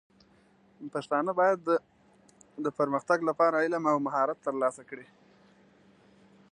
پښتانه بايد د پرمختګ لپاره علم او مهارت ترلاسه کړي.